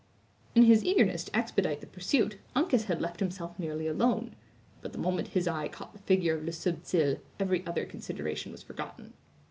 In his eagerness to expedite the pursuit, Uncas had left himself nearly alone; but the moment his eye caught the figure of Le Subtil, every other consideration was forgotten.